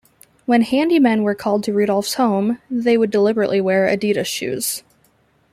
When handymen were called to Rudolf's home, they would deliberately wear Adidas shoes.